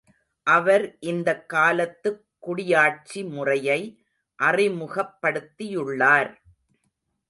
அவர் இந்தக் காலத்துக்குடியாட்சி முறையை அறிமுகப்படுத்தியுள்ளார்.